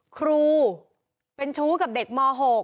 ครูเป็นชู้กับเด็กม๖